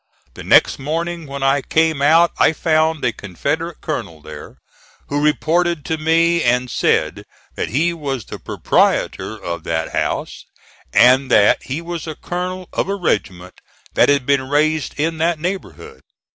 The next morning when I came out I found a Confederate colonel there, who reported to me and said that he was the proprietor of that house, and that he was a colonel of a regiment that had been raised in that neighborhood.